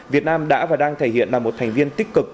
việt nam đã và đang thể hiện là một thành viên tích cực